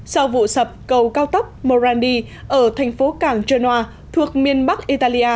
sau vụ sập cầu cao tốc morandi ở thành phố càng trơ noa thuộc miền bắc italy